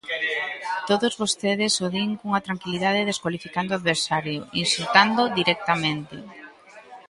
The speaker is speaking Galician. Todos vostedes o din cunha tranquilidade descualificando o adversario, insultando directamente.